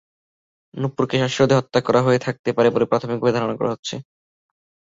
নূপুরকে শ্বাসরোধে হত্যা করা হয়ে থাকতে পারে বলে প্রাথমিকভাবে ধারণা করা হচ্ছে।